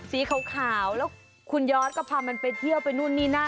สีขาวแล้วคุณยอดก็พามันไปเที่ยวไปนู่นนี่นั่น